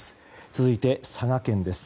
続いて、佐賀県です。